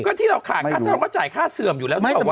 ก็ที่เราขาดค่ะถ้าเราก็จ่ายค่าเสื่อมอยู่แล้วนี่หรือเปล่าวะ